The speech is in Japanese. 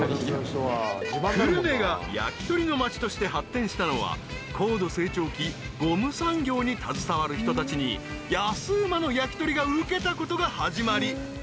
［久留米が焼き鳥の町として発展したのは高度成長期ゴム産業に携わる人たちに安うまの焼き鳥がウケたことが始まりともいわれている］